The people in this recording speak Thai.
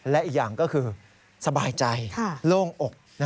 และอีกอย่างก็คือสบายใจโล่งอก